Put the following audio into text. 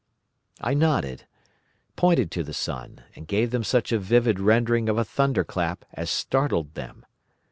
"I nodded, pointed to the sun, and gave them such a vivid rendering of a thunderclap as startled them.